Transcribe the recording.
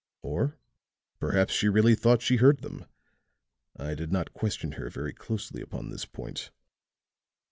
Or perhaps she really thought she heard them; I did not question her very closely upon this point.